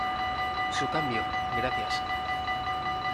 Su cambio, gracias.